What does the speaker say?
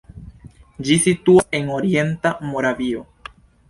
Ĝi situas en orienta Moravio.